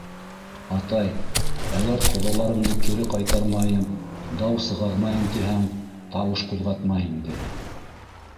— Атай, әгәр ҡоҙаларыңды кире ҡайтармайым, дау сығармайым тиһәң, тауыш ҡуҙғатма инде.